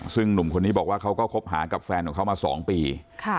ซึ่งหนุ่มคนนี้บอกว่าเขาก็คบหากับแฟนของเขามา๒ปี